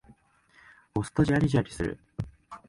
押すとジャリジャリする。